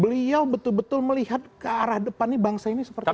beliau betul betul melihat ke arah depan ini bangsa ini seperti apa